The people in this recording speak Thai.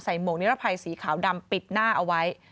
หมวกนิรภัยสีขาวดำปิดหน้าเอาไว้